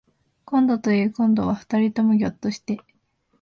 こんどというこんどは二人ともぎょっとして